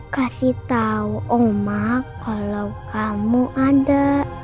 kasih tau omah kalau kamu ada